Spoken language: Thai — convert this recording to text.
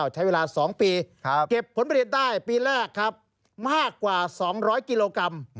ใช้เวลา๒ปีเก็บผลผลิตได้ปีแรกครับมากกว่า๒๐๐กิโลกรัม